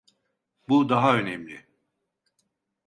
Bu daha önemli.